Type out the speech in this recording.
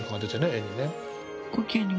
絵にね。